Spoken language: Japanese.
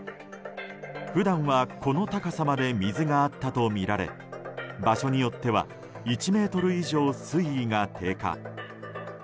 普段はこの高さまで水があったとみられ場所によっては１ｍ以上水位が低下。